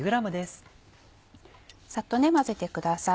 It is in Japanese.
サッと混ぜてください。